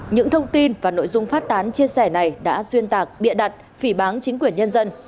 những thông tin và nội dung phát tán chia sẻ này đã xuyên tạc bịa đặt phỉ bán chính quyền nhân dân